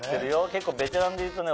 結構ベテランでいうとね